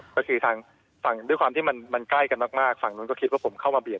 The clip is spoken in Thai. ก็คือทางฝั่งด้วยความที่มันใกล้กันมากฝั่งนู้นก็คิดว่าผมเข้ามาเบียด